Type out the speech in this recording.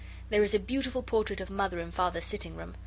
There is a beautiful portrait of Mother in Father's sitting room.